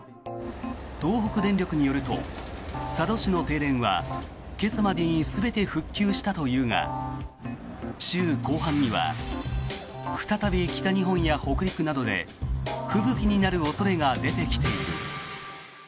東北電力によると佐渡市の停電は今朝までに全て復旧したというが週後半には再び北日本や北陸などで吹雪になる恐れが出てきている。